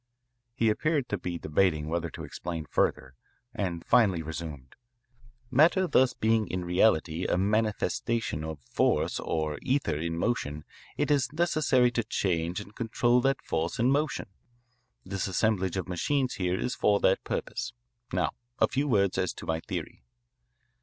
He appeared to be debating whether to explain further, and finally resumed: "Matter thus being in reality a manifestation of force or ether in motion, it is necessary to change and control that force and motion. This assemblage of machines here is for that purpose. Now a few words as to my theory."